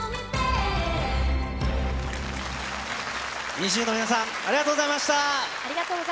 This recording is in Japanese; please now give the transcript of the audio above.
ＮｉｚｉＵの皆さん、ありがとうございました。